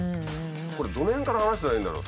これどの辺から話したらいいんだろう？